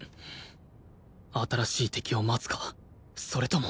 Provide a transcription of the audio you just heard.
新しい敵を待つかそれとも